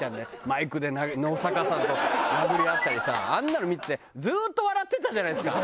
マイクで野坂さんと殴り合ったりさあんなの見ててずっと笑ってたじゃないですか。